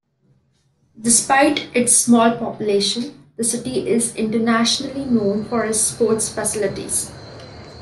Despite its small population, the city is internationally known for its sports facilities.